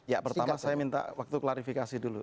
ya pertama saya minta waktu klarifikasi dulu